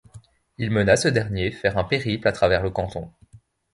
Il mena ce dernier faire un périple à travers le canton.